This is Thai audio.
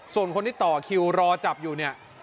ส่วนคนที่ต่อคิวรอจับอยู่เนี่ย